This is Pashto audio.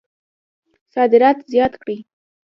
صادرات زیات کړئ